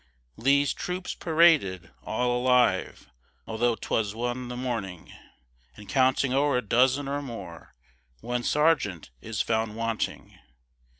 Lee's troops paraded, all alive, Although 'twas one the morning, And counting o'er a dozen or more, One sergeant is found wanting.